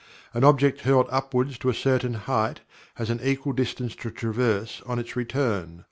An object hurled upward to a certain height has an equal distance to traverse on its return.